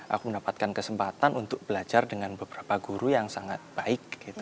aku mendapatkan kesempatan untuk belajar dengan beberapa guru yang sangat baik